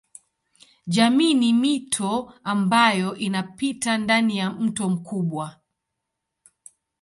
Jamii ni mito ambayo inapita ndani ya mto mkubwa.